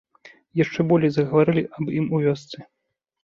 Яшчэ болей загаварылі аб ім у вёсцы.